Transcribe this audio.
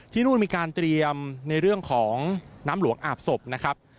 นู่นมีการเตรียมในเรื่องของน้ำหลวงอาบศพนะครับ